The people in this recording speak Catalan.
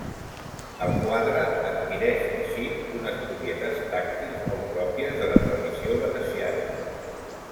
El quadre adquireix així unes propietats tàctils molt pròpies de la tradició veneciana.